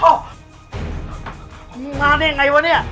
คุณมาดิอย่างไรว่ะเนี่ย